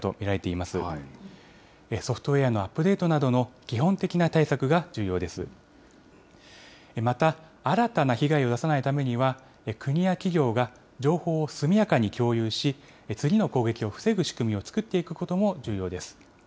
また、新たな被害を出さないためには、国や企業が情報を速やかに共有し、次の攻撃を防ぐ仕組みを作っていくことも重要です。